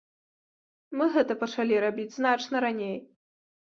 Мы гэта пачалі рабіць значна раней.